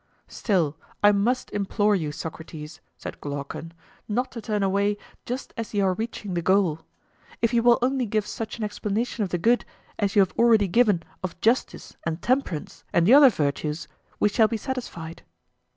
Still, I must implore you, Socrates, said Glaucon, not to turn away just as you are reaching the goal; if you will only give such an explanation of the good as you have already given of justice and temperance and the other virtues, we shall be satisfied.